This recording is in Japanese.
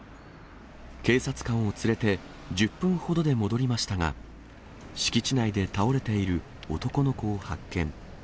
警察官を連れて、１０分ほどで戻りましたが、敷地内で倒れている男の子を発見。